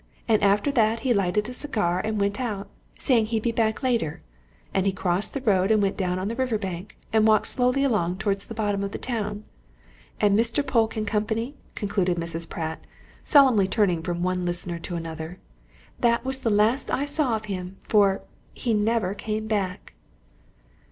And after that he lighted a cigar and went out, saying he'd be back later, and he crossed the road and went down on the river bank, and walked slowly along towards the bottom of the town. And Mr. Polke and company," concluded Mrs. Pratt, solemnly turning from one listener to another, "that was the last I saw of him. For he never came back!"